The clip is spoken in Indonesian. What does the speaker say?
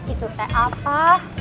itu teh apa